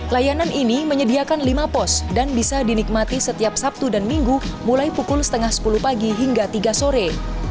layanan ini menyediakan lima pos dan bisa dinikmati setiap sabtu dan minggu mulai pukul sepuluh tiga puluh pagi hingga tiga sore